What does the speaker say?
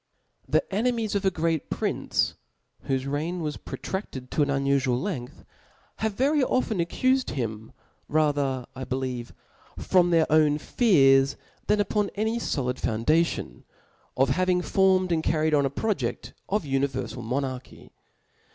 I ^ H E enemies of a great prince, whofe reigrt "*• was protraded to a» unufual length, have very often accufed him, rather^ I believe, from their own fearS) than upon any folid foundation, of hav ing formed and carried On a proje(3: of univerfal monarchy.